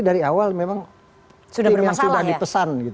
dari awal memang sudah dipesan